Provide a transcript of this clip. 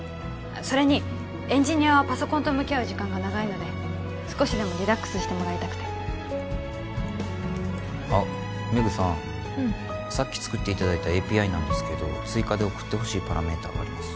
それにエンジニアはパソコンと向き合う時間が長いので少しでもリラックスしてもらいたくてあっメグさんうんさっき作っていただいたＡＰＩなんですけど追加で送ってほしいパラメータがあります